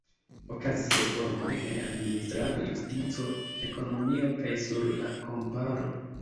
Okazis reformoj en administrado, justico, ekonomio kaj sur la kamparo.